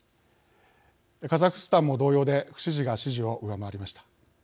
カザフスタンも同様で不支持が支持を上回りました。